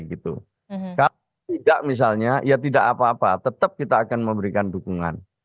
kalau tidak misalnya ya tidak apa apa tetap kita akan memberikan dukungan